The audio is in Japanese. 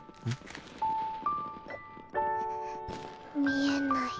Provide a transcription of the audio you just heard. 見えない。